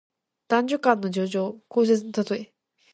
男女間の情事、交接のたとえ。